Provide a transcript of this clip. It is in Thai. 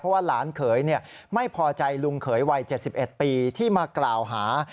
ว่าหลานเขยไม่พอใจลุงเขยวัย๗๑ปีที่มากล่าวหา